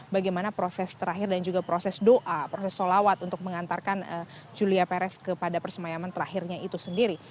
bagaimana proses terakhir dan juga proses doa proses solawat untuk mengantarkan julia perez kepada persemayaman terakhirnya itu sendiri